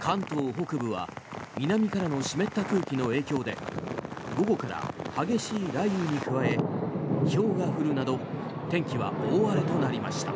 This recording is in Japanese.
関東北部は南からの湿った空気の影響で午後から激しい雷雨に加えひょうが降るなど天気は大荒れとなりました。